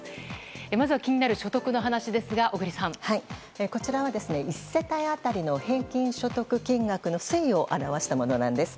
まずは気になる所得の話ですがこちらは１世帯当たりの平均所得金額の推移を表したものです。